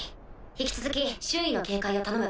引き続き周囲の警戒を頼む。